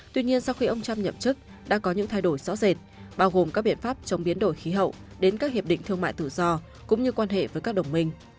tuy nhiên sau khi ông trump nhậm chức đã có những thay đổi rõ rệt bao gồm các biện pháp chống biến đổi khí hậu đến các hiệp định thương mại tự do cũng như quan hệ với các đồng minh